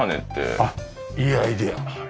ああいいアイデア。